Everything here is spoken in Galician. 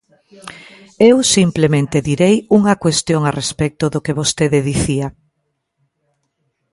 Eu simplemente direi unha cuestión a respecto do que vostede dicía.